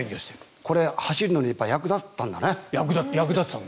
これ走るのに役立ったんだね。